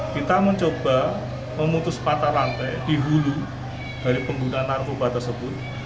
kita mencoba memutus mata rantai di hulu dari pengguna narkoba tersebut